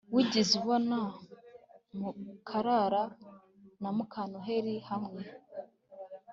Wigeze ubona Mukara na Mukandoli hamwe